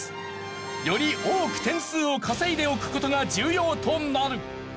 より多く点数を稼いでおく事が重要となる。